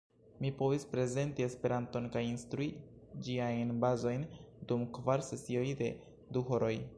Mi povis prezenti Esperanton kaj instrui ĝiajn bazojn dum kvar sesioj de du horoj.